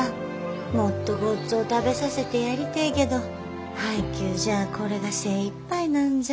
もっとごっつぉお食べさせてやりてえけど配給じゃあこれが精いっぱいなんじゃ。